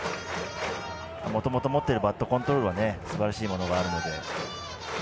もともと持ってるバットコントロールはすばらしいものがあるんだと思います。